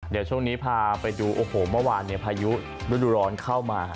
เดี๋ยวช่วงนี้พาไปดูโอ้โหเมื่อวานพายุฤดูร้อนเข้ามา